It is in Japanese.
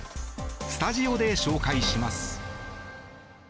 スタジオで紹介します。